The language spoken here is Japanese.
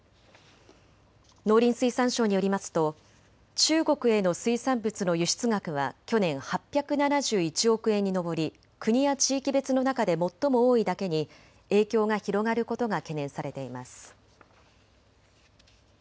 農林水産省によりますと中国への水産物の輸出額は去年、８７１億円に上り、国や地域別の中で最も多いだけに影響が広がることが懸念されています。